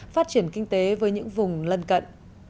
phát triển kinh tế với những vùng lân cận